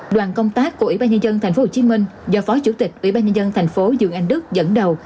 đoàn công tác của ủy ban nhân dân tp hcm do phó chủ tịch ủy ban nhân dân thành phố dương anh đức dẫn đầu